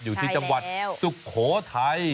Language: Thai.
อยู่ที่จังหวัดสุโขทัย